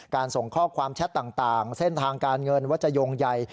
ส่งข้อความแชทต่างเส้นทางการเงินว่าจะโยงใย